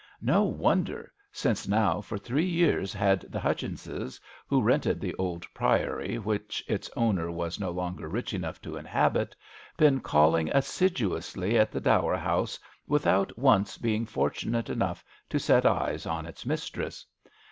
No wonder ! since now for three years had the Hutchinses, who rented the old priory which its owner was no longer rich enough to inhabit, been calling assiduously at the dower house without once being fortunate enough to set eyes on its mistress.